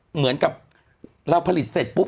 เหมือนกับเราผลิตเสร็จปุ๊บ